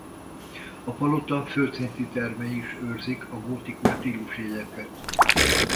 A palota földszinti termei is őrzik a gótikus stílusjegyeket.